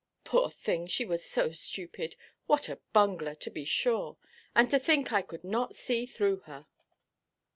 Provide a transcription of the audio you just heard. "Poor thing, she was so stupid. What a bungler, to be sure! And to think I could not see through her!"